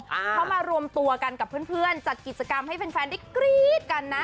เขามารวมตัวกันกับเพื่อนจัดกิจกรรมให้แฟนได้กรี๊ดกันนะ